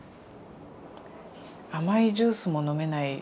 甘いジュースも飲めない。